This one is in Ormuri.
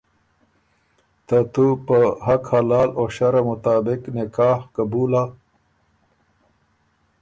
ترتُو په حق حلال او شرع مطابق نکاح قبول هۀ؟